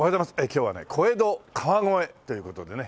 今日はね小江戸川越という事でね。